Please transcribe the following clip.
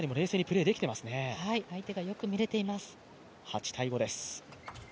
相手がよく見れています。